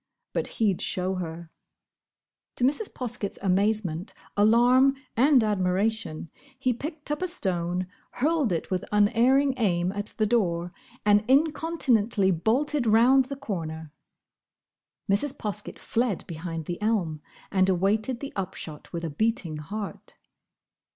But he'd show her! To Mrs. Poskett's amazement, alarm, and admiration, he picked up a stone, hurled it with unerring aim at the door, and incontinently bolted round the corner. Mrs. Poskett fled behind the elm and awaited the upshot with a beating heart.